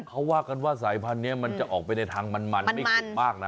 เขาว่ากันว่าสายพันธุ์นี้มันจะออกไปในทางมันไม่เข็บมากนะ